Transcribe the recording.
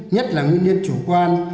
nhất là nguyên nhân chủ quan